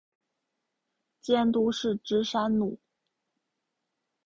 监督是芝山努。